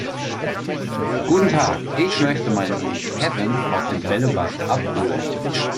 Guten Tag, ich möchte meinen Sohn Kevin aus dem Bällebad abholen.